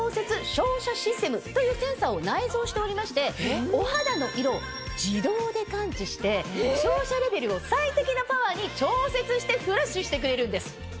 というセンサーを内蔵しておりましてお肌の色を自動で感知して照射レベルを最適なパワーに調節してフラッシュしてくれるんです。